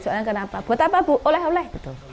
soalnya kenapa buat apa bu oleh oleh